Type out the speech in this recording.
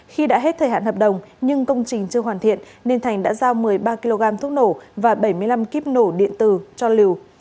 khi đã hết thời hạn hợp đồng nhưng công trình chưa hoàn thiện nên thành đã giao một mươi ba kg thuốc nổ và bảy mươi năm kíp nổ điện tử cho liều